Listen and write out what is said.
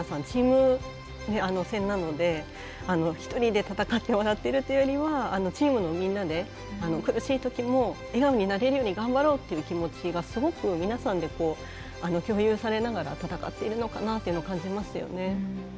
チーム戦なので、１人で戦って笑ってるというよりはチームのみんなで、苦しいときも笑顔になれるように頑張ろうという気持ちがすごく皆さんで共有されながら戦っているのかなというのを感じますよね。